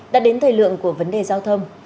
đã đến thời lượng của vấn đề giao thông